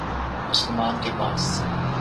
مسلمان کے پاس